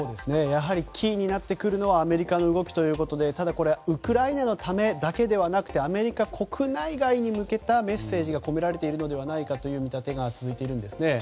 やはりキーになってくるのはアメリカの動きということでただ、ウクライナのためだけではなくてアメリカ国内外に向けたメッセージが込められているのではないかという見立てが続いているんですね。